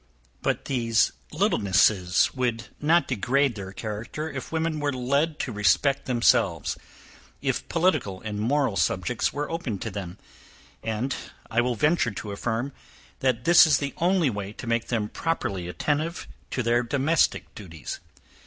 But these LITTLENESSES would not degrade their character, if women were led to respect themselves, if political and moral subjects were opened to them; and I will venture to affirm, that this is the only way to make them properly attentive to their domestic duties.